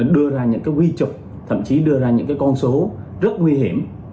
đưa ra những cái quy trục thậm chí đưa ra những cái con số rất nguy hiểm